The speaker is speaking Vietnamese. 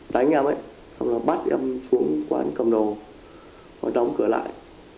đánh em ấy xong rồi bắt em xuống quán cầm đồ đóng cửa lại